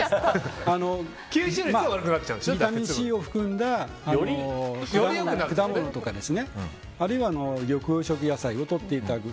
ビタミンＣを含んだ果物とかあるいは緑黄色野菜をとっていただく。